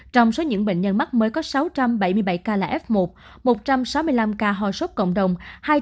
trong số những bệnh nhân mắc mới có sáu trăm bảy mươi bảy ca là f một một trăm sáu mươi năm ca ho sốt cộng đồng